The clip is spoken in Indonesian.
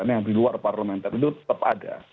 yang diluar parlemen itu tetap ada